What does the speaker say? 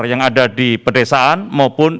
yang ada di pedesaan maupun